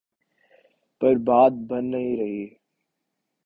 پر بات بن نہیں رہی۔